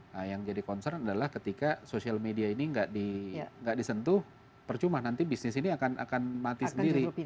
nah yang jadi concern adalah ketika social media ini nggak disentuh percuma nanti bisnis ini akan mati sendiri